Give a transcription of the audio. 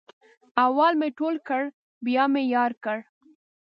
اول مې تول کړ بیا مې یار کړ.